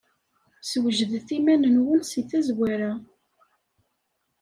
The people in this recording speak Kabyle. Swejdet iman-nwen seg tazwara.